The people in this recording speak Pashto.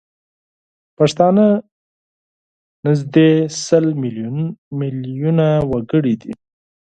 پښتانه نزدي سل میلیونه وګړي دي